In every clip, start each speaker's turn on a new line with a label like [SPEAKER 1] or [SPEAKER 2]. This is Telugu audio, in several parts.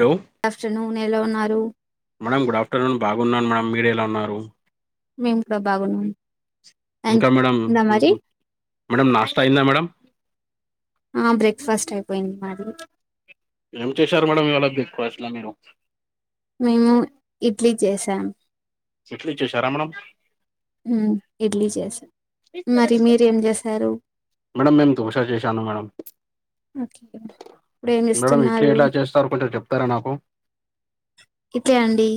[SPEAKER 1] హలో
[SPEAKER 2] ఆఫ్టర్నూన్ ఎలా ఉన్నారు
[SPEAKER 1] మేడం గుడ్ ఆఫటర్నూన్ బాగున్నాను మేడం మీరు ఎలా ఉన్నారు
[SPEAKER 2] మేము కూడా బాగున్నాం అండ్
[SPEAKER 1] ఇంకా మేడం
[SPEAKER 2] ఇంద
[SPEAKER 1] హు
[SPEAKER 2] మరి
[SPEAKER 1] హు మేడం నాస్తా అయిందా మేడం
[SPEAKER 2] ఆ బ్రేక్ ఫాస్ట్ అయిపోయింది మాది
[SPEAKER 1] ఏం చేశారు మేడం ఇవాలా బ్రేక్ ఫాస్ట్లలో మీరు
[SPEAKER 2] మేము ఇడ్లీ చేసాం
[SPEAKER 1] ఇడ్లీ చేసారా మేడం
[SPEAKER 2] హమ్ ఇడ్లీ చేసా మరి మీరేం చేశారు
[SPEAKER 1] మేడం మేము దోశ చేశాను మేడం
[SPEAKER 2] ఓకే ఇప్పుడ ఏమి
[SPEAKER 1] మేడం ఇడ్లీ
[SPEAKER 2] ఇస్తున్నారు
[SPEAKER 1] ఎలా చేస్తారు కొంచెం చెప్తారా నాకు
[SPEAKER 2] ఇట్టే అండి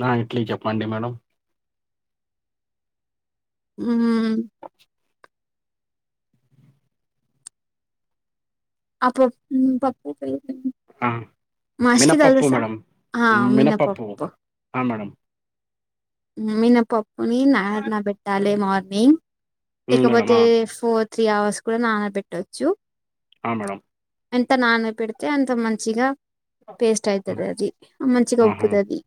[SPEAKER 1] నా ఇడ్లీ చెప్పండి మేడం
[SPEAKER 2] ఉమ్
[SPEAKER 1] [inaudible]
[SPEAKER 2] అప్పు మ్మ్ పక్
[SPEAKER 1] ఆ,
[SPEAKER 2] మాసకిీ
[SPEAKER 1] మినప్పప్పు
[SPEAKER 2] తెలుసా
[SPEAKER 1] మేడం
[SPEAKER 2] ఆ
[SPEAKER 1] మ్, మినప్పప్పు
[SPEAKER 2] మినపప్పు
[SPEAKER 1] ఆ మేడమ్
[SPEAKER 2] మినపప్పుని నాన్న పెట్టాలి మార్నింగ్
[SPEAKER 1] మ్, మేడం
[SPEAKER 2] లేకపోతే
[SPEAKER 1] ఆ,
[SPEAKER 2] ఫోర్ త్రీ అవర్స్ కూడా నానబెట్టొచ్చు
[SPEAKER 1] హ మేడమ్
[SPEAKER 2] ఎంత నాన్న పెడితే అంత మంచిగా పేస్ట్
[SPEAKER 1] మ్,
[SPEAKER 2] అయితది అది మంచిగా
[SPEAKER 1] ఆహా
[SPEAKER 2] ఉబ్బుతాది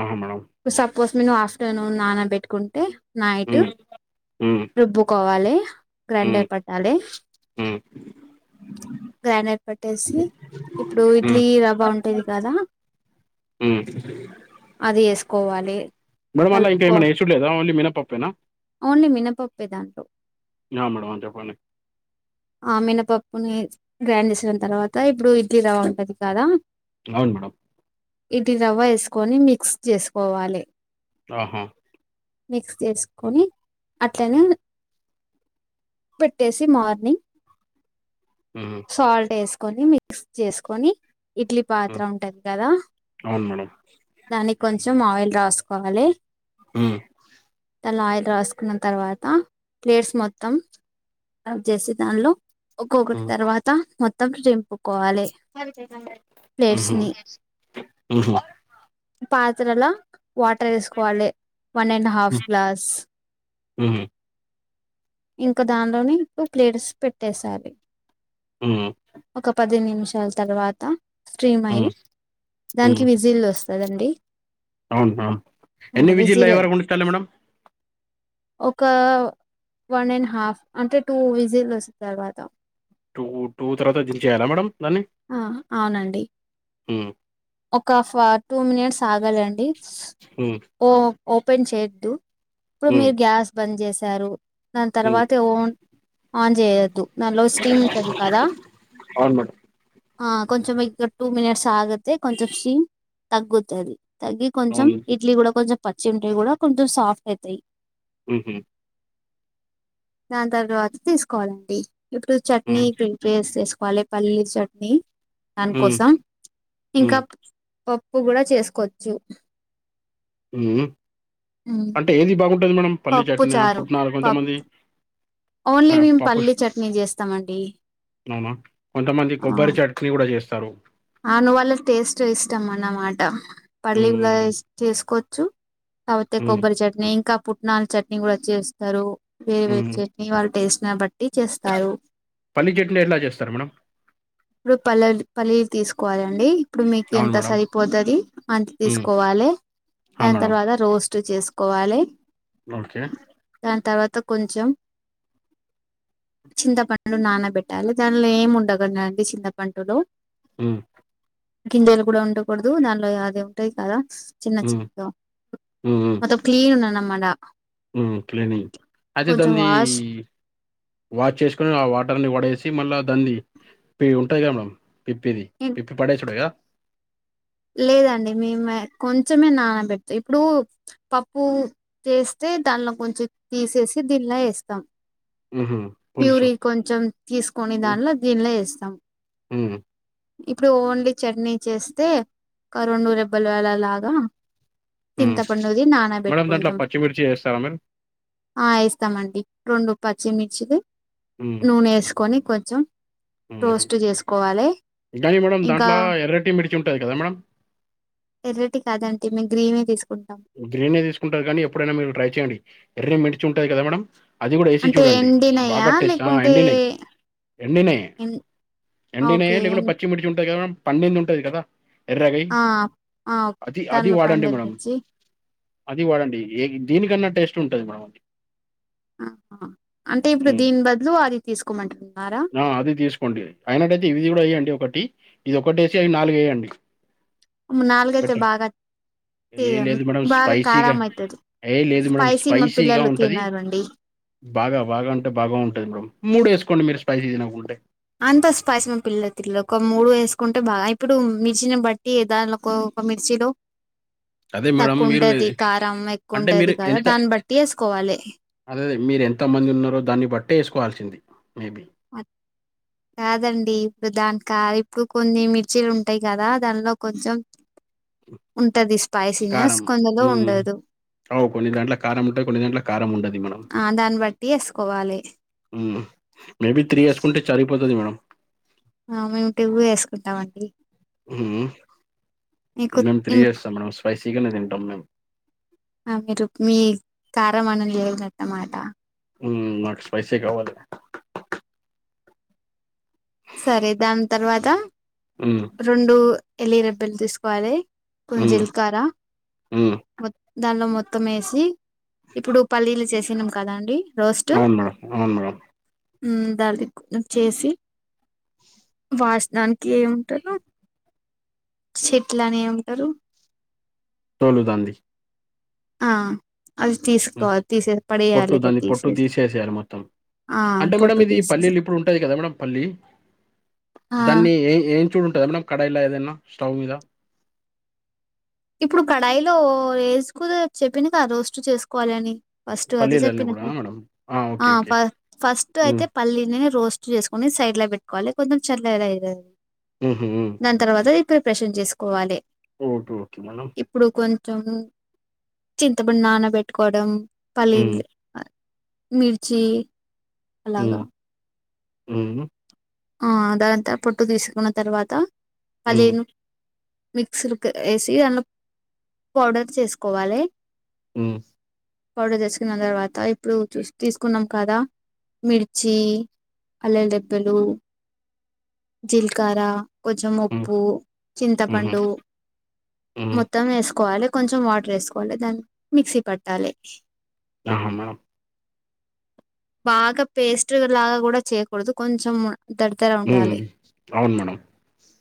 [SPEAKER 1] ఆహా మేడం
[SPEAKER 2] అది సప్ సపోజ్ నెను్ ఆఫ్టర్నూన్ నాన్న పెట్టుకుంటే నైట్
[SPEAKER 1] మ్, మ్,
[SPEAKER 2] రుబ్బుకోవాలి
[SPEAKER 1] మ్,
[SPEAKER 2] గ్రైండర్ పట్టాలి
[SPEAKER 1] మ్,
[SPEAKER 2] గ్రైండర్ పట్టేసి ఇప్పుడు
[SPEAKER 1] మ్,
[SPEAKER 2] ఇడ్లీ రవ్వా ఉంట ఉంటది కదా
[SPEAKER 1] మ్.
[SPEAKER 2] అది వేసుకోవాలి
[SPEAKER 1] మేడం అన్లా ఇంకా
[SPEAKER 2] కలుపుకో
[SPEAKER 1] ఏమనా యేసుడు లేదా ఓన్లీ మినపప్పేనా
[SPEAKER 2] ఓన్లీ మినపప్పే దాంట్లో
[SPEAKER 1] యా మేడం ఆ చెప్పండి
[SPEAKER 2] ఆ మినపప్పుని గ్రైండ్ చేసిన తర్వాత ఇప్పుడు ఇడ్లీ రవ్వ ఉంటది కదా
[SPEAKER 1] అవును మేడమ్
[SPEAKER 2] ఇడ్లీ రవ్వ యేసుకొని మిక్స్ చేసుకోవాలి
[SPEAKER 1] ఆహా
[SPEAKER 2] మిక్స్ చేసుకొని అట్లనే పెట్టేసి మార్నింగ్
[SPEAKER 1] ఉహు
[SPEAKER 2] సాల్ట్ యేసుకొని మిక్స్ చేసుకొని ఇడ్లీ
[SPEAKER 1] మ్.
[SPEAKER 2] పాత్ర ఉంటది కదా
[SPEAKER 1] అవును మేడం
[SPEAKER 2] దానికి కొంచెం ఆయిల్ రాసుకోవాలె
[SPEAKER 1] హ్మ్
[SPEAKER 2] దాంట్ల ఆయిల్ రాసుకున్న తర్వాత ప్లేట్స్ మొత్తం చేసి దానిలో ఒక్కొక్కటి తర్వాత మొత్తం జంపు
[SPEAKER 1] ఉహూ ఉహూ
[SPEAKER 2] పాత్రలా వాటర్ వేసుకోవాలే one and half
[SPEAKER 1] um,
[SPEAKER 2] glass
[SPEAKER 1] um,
[SPEAKER 2] ఇంకా దానిలోని ప్లేట్స్ పెట్టేసెయలే
[SPEAKER 1] ఉమ్,
[SPEAKER 2] ఒక పది నిమిషాల తర్వాత స్ట్రీమ్ అయ్యి దానికి విజిల్ వస్తదండి
[SPEAKER 1] అవునా ఎన్ని విజిలా
[SPEAKER 2] విజిల్
[SPEAKER 1] ఎవరు వొండుస్తరు మేడం
[SPEAKER 2] ఒక్క వన్ అండ్ హాఫ్ అంటే టూ విజిల్ వస్త తర్వాత
[SPEAKER 1] టూ టూ తర్వాత దించేయాలా మేడం దాన్ని
[SPEAKER 2] ఆ అవునండి
[SPEAKER 1] ఉమ్,
[SPEAKER 2] ఒక టూ మినిట్స్ ఆగాలండి
[SPEAKER 1] ఉమ్,
[SPEAKER 2] ఓ ఓపెన్ చేయొద్దు ఇప్పుడు
[SPEAKER 1] ఉమ్,
[SPEAKER 2] మీరు గ్యాస్ బంద్ జేసారు దాని
[SPEAKER 1] ఉమ్.
[SPEAKER 2] తర్వాత ఓన్ ఆన్ చేయొద్దు దనిలో స్టీమ్ ఉంటది కదా
[SPEAKER 1] అవును మేడం
[SPEAKER 2] ఆ కొంచెం ఇక టూ మినిట్స్ ఆగితే కొంచెం స్ట్రీమ్ తగ్గుతది తగ్గి కొంచెం
[SPEAKER 1] అవును ఉమ్,
[SPEAKER 2] ఇడ్లీ కూడా కొంచెం పచ్చి ఉంటే కూడా కొంచెం సాఫ్ట్ అయితాయ్
[SPEAKER 1] ఉహు
[SPEAKER 2] దాని తర్వాత తీసుకోవాలండి ఇప్పుడు చట్నీ
[SPEAKER 1] ఉమ్,
[SPEAKER 2] ప్రిపేర్ సేసుకోవాలి పల్లీల చట్నీ
[SPEAKER 1] ఉమ్,
[SPEAKER 2] దానికోసం
[SPEAKER 1] ఉమ్,
[SPEAKER 2] ఇంకా పప్పు కూడా చేసుకోవచ్చు
[SPEAKER 1] అంటే ఏది బాగుంటది మేడమ్ పల్లీ
[SPEAKER 2] పప్పు
[SPEAKER 1] చట్నా
[SPEAKER 2] చారు
[SPEAKER 1] పుట్నాలు
[SPEAKER 2] పప్
[SPEAKER 1] కొంతమంది
[SPEAKER 2] ఓన్లీ మేము
[SPEAKER 1] పప్పు
[SPEAKER 2] పల్లీ చట్నీ చేస్తామండి
[SPEAKER 1] అవునా కొంతమంది
[SPEAKER 2] ఆ
[SPEAKER 1] కొబ్బరి చెట్ ట్నీ కూడా చేస్తారు
[SPEAKER 2] అవును వాళ్ళ టేస్ట్ ఇష్టం అన్నమాట పల్లీలా
[SPEAKER 1] ఉమ్,
[SPEAKER 2] చేసుకోవచ్చు కాపోతే
[SPEAKER 1] ఉమ్,
[SPEAKER 2] కొబ్బరి చట్నీ ఇంకా పుట్నాల చట్నీ కూడా చేస్తారు వేరు వేరు
[SPEAKER 1] ఉమ్.
[SPEAKER 2] చెట్ ఇగ వాళ్ళ టేస్ట్ నా బట్ టి చేస్తారు
[SPEAKER 1] పల్లి చట్నీ ఎట్లా చేస్తారు మేడం
[SPEAKER 2] ఇప్పుడు పలల్ పల్లీ తీసుకోవాలండి ఇప్పుడు మీకు
[SPEAKER 1] అవును
[SPEAKER 2] ఎంత
[SPEAKER 1] మేడం
[SPEAKER 2] సరిపోతది అంత
[SPEAKER 1] ఉమ్,
[SPEAKER 2] తీసుకోవాలే
[SPEAKER 1] ఆ
[SPEAKER 2] దాని
[SPEAKER 1] మేడం
[SPEAKER 2] తర్వాత రోస్ట్ చేసుకోవాలే
[SPEAKER 1] ఓకే
[SPEAKER 2] దాని తర్వాత కొంచెం చింతపండు నానబెట్టాలి దానిలో ఏం ఉండదు అండి చింతపండులో
[SPEAKER 1] మ్
[SPEAKER 2] గింజెలు కూడా ఉండకూడదు దానిలో అది ఉంటయ్ కదా చిన్న
[SPEAKER 1] ఉమ్,
[SPEAKER 2] చిన్న ప్రతి క్లీను నన్నామ్మడా
[SPEAKER 1] మ్ క్లీనింగ్ అదే దంది
[SPEAKER 2] వాష్
[SPEAKER 1] వాష్ చేసుకోని ఆ వాటర్ని పడేసి మళ్ళా దాన్ని పే ఉంటది కదా మల పిప్పిది పిప్పి పడే సూడుగా
[SPEAKER 2] లేదండి మేమే కొంచమే నానబెడుత ఇప్పుడు పప్పు చేస్తే దానిలో కొంచెం తీసేసి దీనిలా ఎస్తాం
[SPEAKER 1] హుహు. పులుసు.
[SPEAKER 2] ప్యూరి కొంచెం తీసుకొని
[SPEAKER 1] హ్మ్.
[SPEAKER 2] దానిల దీనిలో ఏస్తం
[SPEAKER 1] హ్మ్.
[SPEAKER 2] ఇప్పుడు ఓన్లీ చట్నీ చేస్తే రెండు రెబ్బలు లాగా
[SPEAKER 1] హ్మ్.
[SPEAKER 2] చింతపండుది
[SPEAKER 1] మేడం దాంట్లో
[SPEAKER 2] నానబెట్టుకుంటాం
[SPEAKER 1] పచ్చిమిర్చి ఏస్తారా మీరు?
[SPEAKER 2] ఆ ఏస్తామండి రెండు పచ్చిమిర్చిలు నూనె వేసుకొని కొంచెం
[SPEAKER 1] హు హు
[SPEAKER 2] రోస్ట్ చేసుకోవాలి
[SPEAKER 1] కానీ మేడం
[SPEAKER 2] ఇంకా
[SPEAKER 1] దాంట్లా ఎర్రటి మిర్చి ఉంటుంది కదా మేడం
[SPEAKER 2] ఎర్రటి కాదు ఆంటీ మేము గ్రీనే తీసుకుంటాం
[SPEAKER 1] గ్రీనే తీసుకుంటారు కానీ ఎప్పుడైనా మీరు ట్రై చేయండి ఎర్రని మిర్చి ఉంటది కదా మేడం అది కూడా ఏసీ
[SPEAKER 2] అంటే
[SPEAKER 1] చూడండి
[SPEAKER 2] ఎండినయా
[SPEAKER 1] బాగా టేస్ట
[SPEAKER 2] లేకుంటే
[SPEAKER 1] ఎండినయ్ ఎండినయ్ ఎండినేయ
[SPEAKER 2] ఓకే
[SPEAKER 1] లేకుండా పచ్చిమిర్చి ఉంటుంది కద మేడమ్ పండింది ఉంటుంది కదా ఎర్రవి
[SPEAKER 2] ఆ ఆ
[SPEAKER 1] అది అది
[SPEAKER 2] దానిలో
[SPEAKER 1] వాడండి
[SPEAKER 2] పండే
[SPEAKER 1] మేడమ్
[SPEAKER 2] మిర్చి
[SPEAKER 1] అది వాడండి ఏ దీనికన్నా టేస్ట్ ఉంటంది మామ అది
[SPEAKER 2] ఆ ఆ అంటే ఇప్పుడు
[SPEAKER 1] హ్మ్.
[SPEAKER 2] దీని బదులు అది తీసుకోమంటున్నారా
[SPEAKER 1] ఆ అది తీసుకోండి అయినట్టయితే ఇది కూడా వేయండి ఒకటి ఇది ఒకటి వేసి అవి నాలుగు వేయండి
[SPEAKER 2] నాలుగు ఐతే బాగా
[SPEAKER 1] ఏ
[SPEAKER 2] తీయ
[SPEAKER 1] లేదు మేడం
[SPEAKER 2] బాగా
[SPEAKER 1] స్పైసీగా
[SPEAKER 2] కారం అయితుది
[SPEAKER 1] ఏహ్! లేదు మేడం
[SPEAKER 2] స్పైసీ మా
[SPEAKER 1] స్పైసీగా
[SPEAKER 2] పిల్లలు
[SPEAKER 1] ఉంటది.
[SPEAKER 2] తిన్నారండి
[SPEAKER 1] బాగా బాగా అంటే బాగా ఉంటుంది మేమ్ మూడు వేసుకోండి మీరు స్పైసీ తినకుంటే
[SPEAKER 2] అంత స్పైస్ పిల్ల తిల్ల ఒక మూడు వేసుకుంటే బాగా ఇప్పుడు మిరు ఇచిన బట్టి దానికో ఒక మిర్చిలో
[SPEAKER 1] అదే మేడం మీరు
[SPEAKER 2] తక్కువంటది కారం
[SPEAKER 1] అంటే
[SPEAKER 2] ఎక్కువంటది కదా దాన్ని బట్టి వేసుకోవాలి
[SPEAKER 1] అదే మీరు ఎంతమంది ఉన్నారో దాన్ని బట్టే వేసుకోవాల్సింది మేబీ
[SPEAKER 2] అది కాదండి ఇప్పుడు దాని కారం ఇప్పుడు కొన్ని మిర్చీలు ఉంటాయి కదా దానిలో కొంచెం ఉంటది స్పైసీ గా కొందలో ఉండదు
[SPEAKER 1] అవ్ కొన్ని దాంట్ల కారం ఉంటాయి కొన్ని దాంట్ల కారం ఉండది మనం
[SPEAKER 2] ఆ దాన్ని బట్టి వేసుకోవాలి
[SPEAKER 1] మ్మ్ మేబి త్రీ ఏసుకుంటే చరిపోతది మేడమ్
[SPEAKER 2] ఆ మేము కివ్వి వేసుకుంటాం అండి
[SPEAKER 1] మ్మ్
[SPEAKER 2] మీకు
[SPEAKER 1] మేమ్ త్రీ యస్తాం మేడమ్ స్పైసీగానే తింటాం మేము
[SPEAKER 2] ఆ మీరు మీ కారం అని లేదు అన్నమాట
[SPEAKER 1] మ్మ్ నాకు స్పైసీ కావాలి
[SPEAKER 2] సరే దాని తర్వాత
[SPEAKER 1] మ్మ్,
[SPEAKER 2] రెండు ఎలి రబ్బెలు తీసుకోవాలి కొంచ్
[SPEAKER 1] మ్మ్,
[SPEAKER 2] జిలకర
[SPEAKER 1] మ్మ్.
[SPEAKER 2] మొ దానిలో మొత్తం వేసి ఇప్పుడు పల్లీలు చేసినం కదా అండి
[SPEAKER 1] అవును మేడమ్ అవును మేడమ్
[SPEAKER 2] మ్మ్ దల్లి మొత్తం చేసి వాసనానికి ఏముంటారు చెట్ల అనే ఏంటారు
[SPEAKER 1] సొల్గుతాంది
[SPEAKER 2] ఆ అది
[SPEAKER 1] మ్మ్,
[SPEAKER 2] తీసుకోవాలి తీసే
[SPEAKER 1] పొట్టు
[SPEAKER 2] పడేయాలి కదా
[SPEAKER 1] దాన్ని పొట్టు
[SPEAKER 2] తీసేసి
[SPEAKER 1] తీసేసేయాలి మొత్తం
[SPEAKER 2] ఆ
[SPEAKER 1] అంటే మేడం
[SPEAKER 2] పొట్టు
[SPEAKER 1] ఇది
[SPEAKER 2] తీసేసి
[SPEAKER 1] పల్లీలు ఇప్పుడు ఉంటాది కదా మేడం పల్లి
[SPEAKER 2] ఆ
[SPEAKER 1] దాన్ని ఏ ఏం చూడు ఉంటు మేడం కడైయిలా ఏదైనా స్టవ్ మీద
[SPEAKER 2] ఇప్పుడు కడాయిలో వేసుకుద చెప్పినగా రోస్ట్ చేసుకోవాలి అని ఫస్ట్ అది
[SPEAKER 1] పల్లీలన్నీ
[SPEAKER 2] చెప్పిన
[SPEAKER 1] కూడానా మేడం ఓకే
[SPEAKER 2] ఆ ఫ
[SPEAKER 1] ఓకే
[SPEAKER 2] ఫస్ట్ అయితే
[SPEAKER 1] మ్మ్,
[SPEAKER 2] పల్లీని రోస్ట్ చేసుకోని సైడ్ లో పెట్టుకోవాలి కొంచెం చల్ల ఎలా అంది
[SPEAKER 1] ఉహూ
[SPEAKER 2] దాని తర్వాత ఈ ప్రైపెషన్ చేసుకోవాలి
[SPEAKER 1] ఓకే ఓకే మేడం
[SPEAKER 2] ఇప్పుడు కొంచెం చింతపడి నానబెట్టుకోవడం
[SPEAKER 1] మ్మ్,
[SPEAKER 2] పలీదిలే మిర్చి అలాగా
[SPEAKER 1] ఉమ్ ఊమ్
[SPEAKER 2] ఆ దాంతా పొట్టు తీసుకున్న తర్వాత
[SPEAKER 1] మ్మ్,
[SPEAKER 2] పలేను మిక్సకి వేసి దాందులో పౌడర్ చేసుకోవాలి
[SPEAKER 1] హమ్
[SPEAKER 2] పౌడర్ తెసుకున్న తర్వాత ఇప్పుడు చూ తీసుకున్నాం కదా మిర్చి అల్ల దెబ్బలు జీల్కారా కొంచెం
[SPEAKER 1] మ్మ్,
[SPEAKER 2] ఉప్పు
[SPEAKER 1] మ్మ్,
[SPEAKER 2] చింతపండు
[SPEAKER 1] మ్మ్.
[SPEAKER 2] మొత్తం వేసుకోవాలి కొంచెం వాటర్ వేసుకోవాలి దాన్ని మిక్సీ పట్టాలి
[SPEAKER 1] ఆహా మనం
[SPEAKER 2] బాగా పేస్ట్ లాగా కూడా చేయకూడదు కొంచెం ద
[SPEAKER 1] అవును మేడం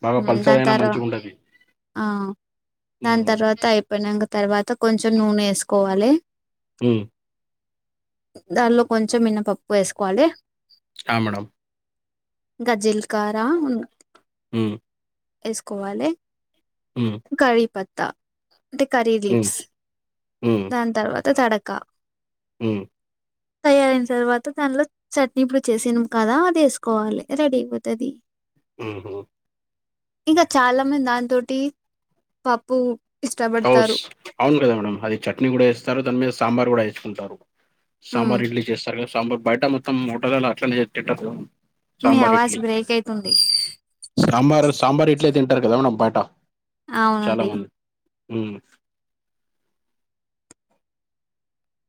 [SPEAKER 1] బాగా
[SPEAKER 2] ఉమ్,
[SPEAKER 1] పల్సర్
[SPEAKER 2] దాని
[SPEAKER 1] అయినా
[SPEAKER 2] తర్వా
[SPEAKER 1] మంచిగా ఉండది
[SPEAKER 2] ఆ దాని తర్వాత అయిపోయినంక తర్వాత కొంచెం నూనె వేసుకోవాలి
[SPEAKER 1] ఉ
[SPEAKER 2] దాన్లో కొంచెం మినపప్పు వేసుకోవాలె
[SPEAKER 1] ఆ మేడమ్
[SPEAKER 2] గ జిల్కార ఉను
[SPEAKER 1] హు
[SPEAKER 2] ఏస్కోవాలె
[SPEAKER 1] హ్మ్.
[SPEAKER 2] కరి పత్తా అంటే
[SPEAKER 1] ఉ ఉ
[SPEAKER 2] దాన్ తర్వాత తడక
[SPEAKER 1] హు
[SPEAKER 2] తయారయినా తర్వాత దానిలో చట్నీ ఇప్పుడు చేసినం కదా అది ఎసుకోవాలె రెడీ అయిపోతది
[SPEAKER 1] ఉహూ
[SPEAKER 2] ఇంకా చాలా మంది దాన్ తోటి పప్పు
[SPEAKER 1] కౌస్
[SPEAKER 2] ఇష్టపడతారు.
[SPEAKER 1] అవును కదా మేడం అది చట్నీ గుడా ఎస్తారు దాని మీద సాంబార్ గుడా వేసుకుంటారు
[SPEAKER 2] హ్మ్.
[SPEAKER 1] సాంబార్ ఇడ్లీ చేస్తారు కదా సాంబార్ బయట మొత్తం హోటలల్ల అట్లానే
[SPEAKER 2] మీ అవాజ్ బ్రేక్ అయితుంది
[SPEAKER 1] సాంబారు సాంబార్ ఇడ్లే తింటారు కదా మేడమ్ బయటా
[SPEAKER 2] అవును అండి
[SPEAKER 1] ఉ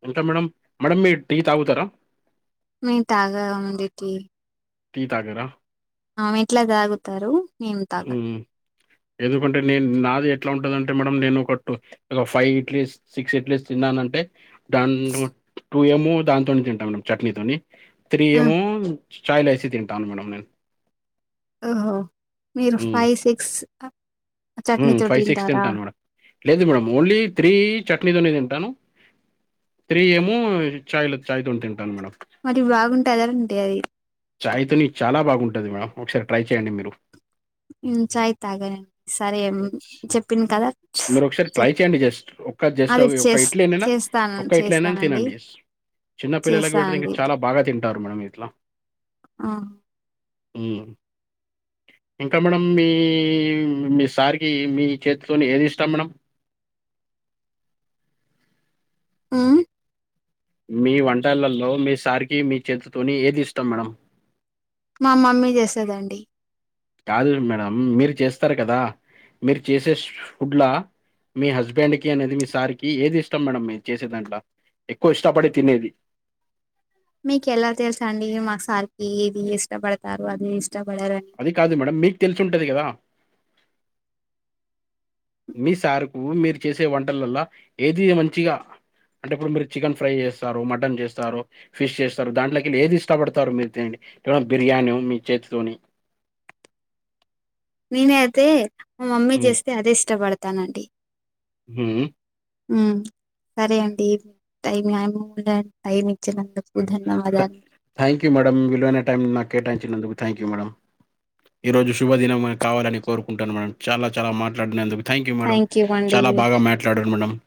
[SPEAKER 1] ఇంకా మేడం మేడమ్ మీరు టీ తగుతరా
[SPEAKER 2] మేమ్ తాగం అండి టి
[SPEAKER 1] టీ తగరా
[SPEAKER 2] ఆమె ఇంట్ల తాగుతరు మేం తాగా
[SPEAKER 1] హ్మ్. ఎందుకంటే నేను నాది ఎట్లా ఉంటదంటే మేడం నేను ఒకట్టు ఒక ఫైవ్ ఇడ్లీస్ సిక్స్ ఇడ్లీస్ తిన్నాను అంటే దాన్ టూ ఏమో దాంతో నె తింటా మేడం చట్నీతోని త్రీ
[SPEAKER 2] ఆ!
[SPEAKER 1] ఏమో ఛాయిలా ఏసీ తింటాను మేడం నేను
[SPEAKER 2] ఓహో మీరు ఫైవ్ సిక్స్ తింటారా
[SPEAKER 1] ఉ ఫైవ్ సిక్స్ తింటాను మేడం లేదు మేడం ఓన్లీ త్రీ చట్నీతోనే తింటాను త్రీ ఏమో చాయ్ల చాయ్ తోని తింటాను మేడం
[SPEAKER 2] మరి బాగుంటదా ఏంటి అది
[SPEAKER 1] చాయ్ తోని చాలా బాగుంటది మేడం ఒకసారి ట్రై చేయండి మీరు
[SPEAKER 2] నేను చాయ్ తాగనండి సరేం చెప్పింది కదా
[SPEAKER 1] మీరు ఒకసారి ట్రై
[SPEAKER 2] చెప్
[SPEAKER 1] చేయండి జస్ట్ ఒక్క జస్ట్ ఆ
[SPEAKER 2] అది
[SPEAKER 1] ఒక్క
[SPEAKER 2] చేస్
[SPEAKER 1] ఇడ్లీనైనా
[SPEAKER 2] చేస్తాను
[SPEAKER 1] ఒక్క ఇడ్లీ అయినా
[SPEAKER 2] చేస్తానండి.
[SPEAKER 1] తినండి జస్ట్ చిన్న పిల్లలకి పెడితే ఇంగ
[SPEAKER 2] చేస్తానండి.
[SPEAKER 1] చాలా బాగా తింటారు మేడం ఇట్లా
[SPEAKER 2] ఆ
[SPEAKER 1] హ్మ్. ఇంకా మేడం మీ మీ సార్ కి మీ చేతితోని ఏది ఇష్టం మేడం
[SPEAKER 2] ఆ
[SPEAKER 1] మీ వంటలలో మీ సార్ కి మీ చేతుతోని ఏది ఇష్టం మేడమ్
[SPEAKER 2] మా మమ్మీ చేస్తది అండి
[SPEAKER 1] కాదు మేడం మీరు చేస్తారు కదా మీరు చేసే ష్ ఫుడ్లా మీ హస్బెండ్ కి అనేది మీ సార్కి ఏది ఇష్టం మేడం మీ చేసేదాంట్ల ఎక్కువ ఇష్టపడి తినేది
[SPEAKER 2] మీకెలా తెలుసా అండి మాకు సార్కి ఏది ఇష్టపడతారు అది ఇష్టపడరు అని
[SPEAKER 1] ఆది కాదు మేడం మీకు తెలిసి ఉంటది గదా మీ సార్కు మీరు చేసే వంటలల్ల ఏది మంచిగా అంటే ఇప్పుడు మీరు చికెన్ ఫ్రై చేస్తారు మటన్ చేస్తారు ఫిష్ చేస్తారు దాంట్లకెళ్ళి ఏది ఇష్టపడతారు మీరు తినండి ఆ బిర్యానో మీ చేతితోని
[SPEAKER 2] నేన్ అయితే మా మమ్మీ
[SPEAKER 1] హ్మ్.
[SPEAKER 2] చేస్తే అదే ఇస్తాపడతాను అండి
[SPEAKER 1] హుమ్
[SPEAKER 2] ఉమ్ సరే అండి ఈ టైము [unintelligible] డి టైం ఇచ్చినందుకు ధన్యవాదాలు
[SPEAKER 1] థాంక్యూ మేడం విలువైన టైం నాక్ కేటాంచినందుకు థాంక్యూ మేడం ఈ రోజు శుభదినమే కావాలని కోరుకుంటాను మేడం చాలా చాలా మాట్లాడినందుకు థాంక్యూ మేడం
[SPEAKER 2] థ్యాంక్ యూ
[SPEAKER 1] చాలా
[SPEAKER 2] అండి
[SPEAKER 1] బాగా మ్యాట్లాడారు మేడం